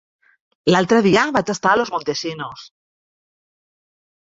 L'altre dia vaig estar a Los Montesinos.